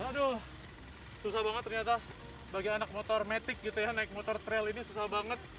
aduh susah banget ternyata bagi anak motor metik gitu ya naik motor trail ini susah banget